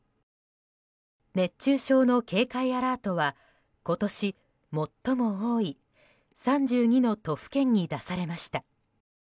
熱中症の警戒アラートは今年最も多い３２の都府県に出されました。